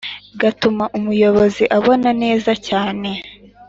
gatuma umuyobozi abona neza cyane.